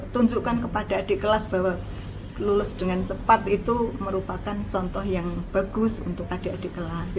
tunjukkan kepada adik kelas bahwa lulus dengan cepat itu merupakan contoh yang bagus untuk adik adik kelas